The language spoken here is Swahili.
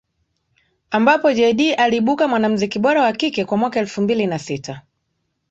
ambapo Jay dee aliibuka Mwanamziki Bora wa Kike kwa mwaka elfu mbili na sita